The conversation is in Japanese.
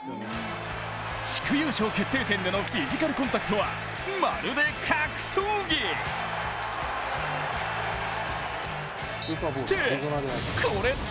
地区優勝決定戦でのフィジカルコンタクトはまるで格闘技！って